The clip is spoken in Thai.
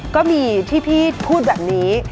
ก็มีที่พี่พูดแบบนี้